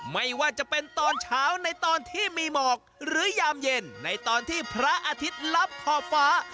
ไม่ว่าจะเป็นตอนเช้าในตอนที่มีหมอกหรือยามเย็นในตอนที่พระอาทิตย์ลับขอบฟ้า